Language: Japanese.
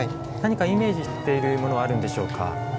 何かイメージしているものはあるんでしょうか？